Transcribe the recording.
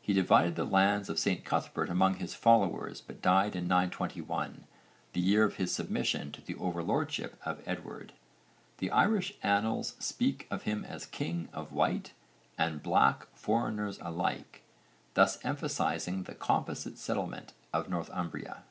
He divided the lands of St Cuthbert among his followers but died in 921, the year of his submission to the overlordship of Edward. The Irish annals speak of him as king of White and Black foreigners alike, thus emphasising the composite settlement of Northumbria.